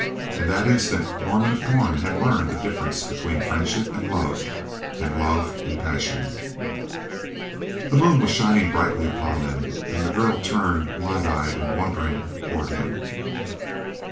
In that instant Norman of Torn had learned the difference between friendship and love, and love and passion. The moon was shining brightly upon them, and the girl turned, wide eyed and wondering, toward him.